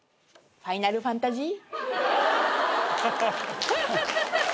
『ファイナルファンタジー』